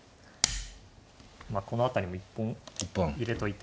この辺りも一本入れといて。